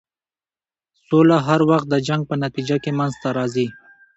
سوله هر وخت د جنګ په نتیجه کې منځته راځي.